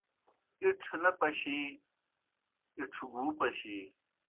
اِڇھ نہ پشِی اِڇھ گُو پشِی